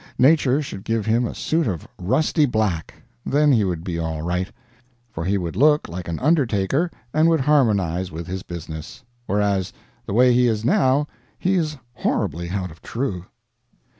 Nature should give him a suit of rusty black; then he would be all right, for he would look like an undertaker and would harmonize with his business; whereas the way he is now he is horribly out of true.